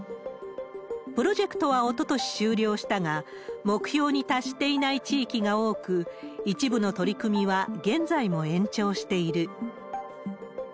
プロジェクトはおととし終了したが、目標に達していない地域が多く、一部の取り組みは現在も延長している。